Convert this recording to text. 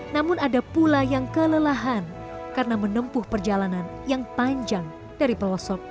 namun ada pula yang kelelahan karena menempuh perjalanan yang panjang dari pelosok